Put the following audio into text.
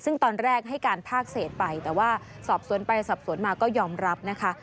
ซึ่งตอนแรกให้การภาคเศษไปแต่ว่าสอบสวนไปสอบสวนมาก็ยอมรับนะคะ